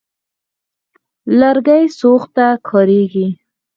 لرګي سوخت ته کارېږي.